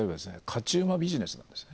勝ち馬ビジネスなんです